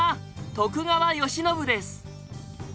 徳川慶喜です。